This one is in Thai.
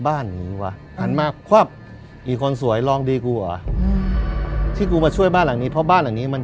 อย่างนี้วะหันมาควับอีกคนสวยลองดีกูเหรออืมที่กูมาช่วยบ้านหลังนี้เพราะบ้านหลังนี้มัน